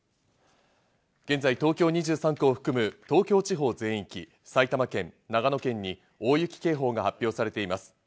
現在、東京２３区を含む東京地方全域、埼玉県、長野県に大雪警報が発表されています。